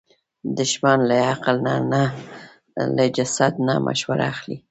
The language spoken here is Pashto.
دښمن له عقل نه نه، له حسد نه مشوره اخلي